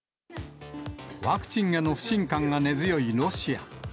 ワクチンへの不信感が根強いロシア。